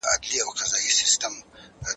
د کتاب موضوعات مطالعه کړئ مخکې له اخيستلو.